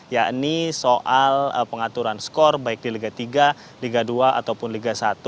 yakni soal pengaturan skor baik di liga tiga liga dua ataupun liga satu